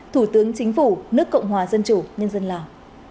thủ tướng chính phủ nước cộng hòa dân chủ nhân dân lào